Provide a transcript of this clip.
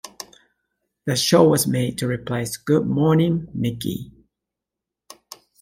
The show was made to replace "Good Morning, Mickey!".